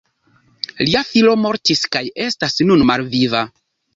Lia filo mortis kaj estas nun malviva.